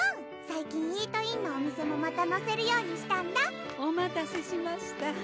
最近イートインのお店もまたのせるようにしたんだお待たせしました